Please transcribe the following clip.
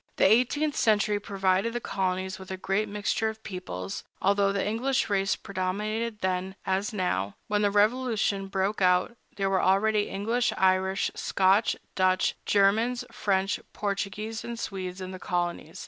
The eighteenth century provided the colonies with a great mixture of peoples, although the English race predominated then, as now. When the Revolution broke out, there were already English, Irish, Scotch, Dutch, Germans, French, Portuguese, and Swedes in the colonies.